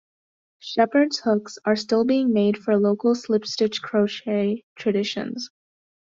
Shepherd's hooks are still being made for local slip-stitch crochet traditions.